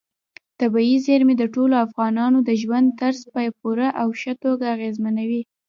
طبیعي زیرمې د ټولو افغانانو د ژوند طرز په پوره او ښه توګه اغېزمنوي.